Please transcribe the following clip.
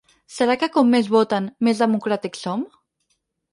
Serà que com més voten, més democràtics som?